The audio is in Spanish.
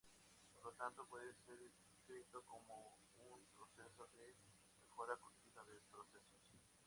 Por lo tanto, puede ser descrito como un proceso de mejora continua de procesos.